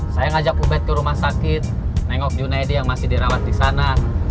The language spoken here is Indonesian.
saya ngajak ubed ke rumah sakit nengok junaidi yang masih dirawat di sana